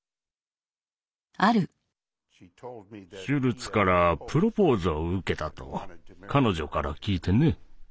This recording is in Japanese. シュルツからプロポーズを受けたと彼女から聞いてね。